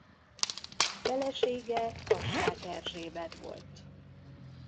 Felesége Kassák Erzsébet volt.